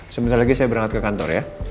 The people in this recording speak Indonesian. sebentar lagi saya berangkat ke kantor ya